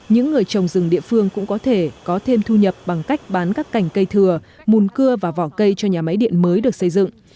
những người trồng rừng địa phương cũng có thể có thêm thu nhập bằng cách bán các cành cây thừa mùn cưa và vỏ cây cho nhà máy điện mới được xây dựng